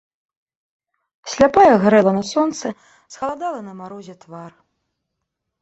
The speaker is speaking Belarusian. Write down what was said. Сляпая грэла на сонцы схаладалы на марозе твар.